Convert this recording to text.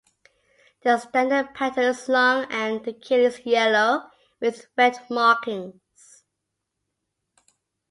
The standard petal is long and the keel is yellow with red markings.